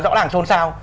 rõ ràng xôn xao